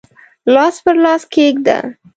لاس پر لاس کښېږده